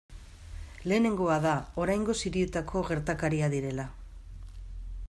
Lehenengoa da oraingoz hirietako gertakaria direla.